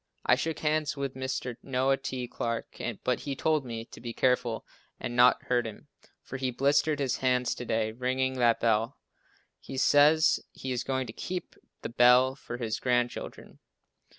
I shook hands with Mr. Noah T. Clarke, but he told me to be careful and not hurt him, for he blistered his hands to day ringing that bell. He says he is going to keep the bell for his grandchildren.